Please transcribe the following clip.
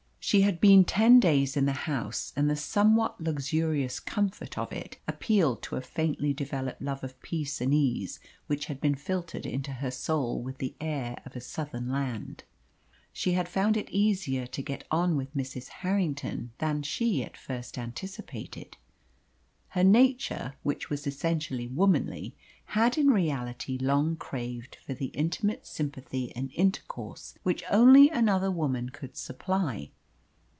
She had been ten days in the house, and the somewhat luxurious comfort of it appealed to a faintly developed love of peace and ease which had been filtered into her soul with the air of a Southern land. She had found it easier to get on with Mrs. Harrington than she at first anticipated. Her nature, which was essentially womanly, had in reality long craved for the intimate sympathy and intercourse which only another woman could supply.